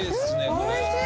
おいしい！